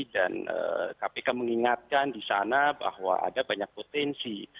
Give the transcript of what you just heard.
dan kpk mengingatkan di sana bahwa ada banyak potensi